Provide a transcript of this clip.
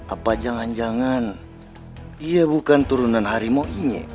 apa jangan jangan dia bukan turunan harimau inyek